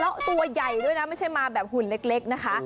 แล้วตัวใหญ่ด้วยนะไม่ใช่มาแบบหุ่นเล็กนะคะ